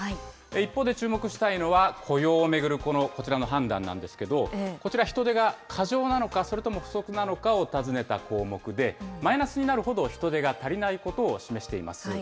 一方で注目したいのは、雇用を巡るこちらの判断なんですけど、こちら人手が過剰なのか、それとも不足なのかを尋ねた項目で、マイナスになるほど人手が足りないことを示しています。